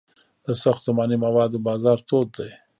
د ساختماني موادو بازار تود دی